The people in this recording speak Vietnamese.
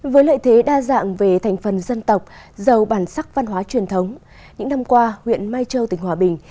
với lợi thế đa dạng về thành phần dân tộc giàu bản sắc văn hóa truyền thống những năm qua huyện mai châu tỉnh hòa bình